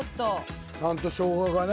ちゃんとしょうががね。